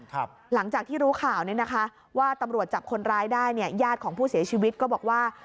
หลังจากที่รู้ข่าวเนี่ยนะคะว่าตำรวจจับคนร้ายได้เนี่ยญาติของผู้เสียชีวิตก็บอกว่า